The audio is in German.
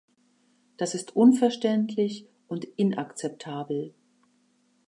Das ist unverständlich und inakzeptabel.